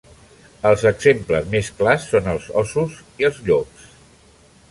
Els exemples més clars són els óssos i els llops.